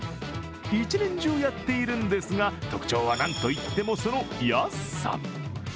一年中やっているんですが、特徴はなんといっても、その安さ。